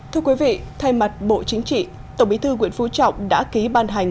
thưa quý vị thay mặt bộ chính trị tổng bí thư nguyễn phú trọng đã ký ban hành